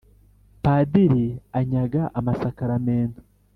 padiri anyaga amasakaramentu